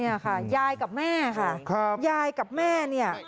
เนี่ยค่ะยายกับแม่ค่ะยายกับแม่เนี่ย